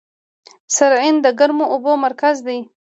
سرعین د ګرمو اوبو مرکز دی.